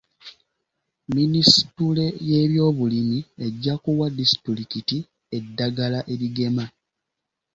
Minisitule y'ebyobulimi ejja kuwa disitulikiti eddagala erigema.